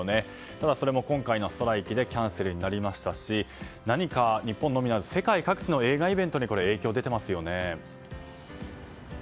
ただ、それも今回のストライキでキャンセルになりましたし何か日本のみならず世界各地の映画イベントに影響が出てますね。